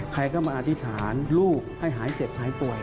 ใครก็มาอธิษฐานลูกให้หายเจ็บหายป่วย